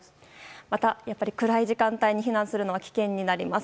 また、暗い時間帯に避難するのは危険になります。